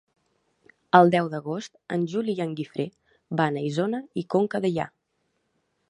El deu d'agost en Juli i en Guifré van a Isona i Conca Dellà.